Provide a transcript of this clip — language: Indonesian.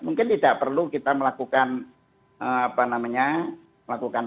mungkin tidak perlu kita melakukan pelarangan mobilitas